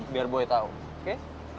biar boy tau oke